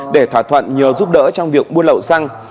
để thỏa thuận nhờ giúp đỡ trong việc buôn lậu xăng